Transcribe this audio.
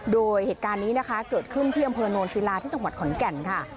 โดยเหตุการณ์นี้นะคะเกิดขึ้นที่อำเภอโนนศิลาที่จังหวัดขอนแก่นค่ะ